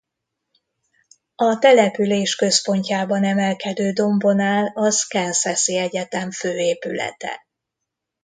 A település központjában emelkedő dombon áll az Kansasi Egyetem fő épülete.